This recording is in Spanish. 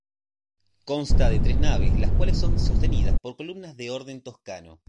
Consta de tres naves, las cuales son sostenidas por columnas de orden toscano.